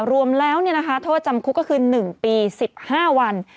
รวมแล้วโทษจำคุกก็คือ๑ปี๑๕วัน